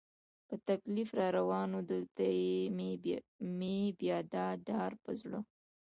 په تکلیف را روان و، دلته مې بیا دا ډار په زړه.